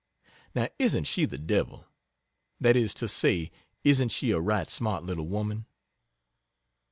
Now isn't she the devil? That is to say, isn't she a right smart little woman?